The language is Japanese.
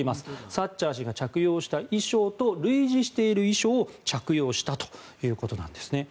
サッチャー氏が着用した衣装と類似している衣装を着用したということです。